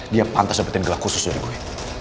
dia pantas dapetin gelap khusus dari gue